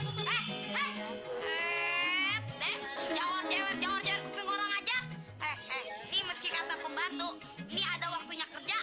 jauh jauh jauh jauh jauh orang aja hehehe di mesin kata pembantu ini ada waktunya kerja